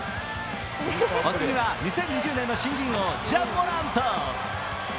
お次は２０２０年の新人王、ジャ・モラント。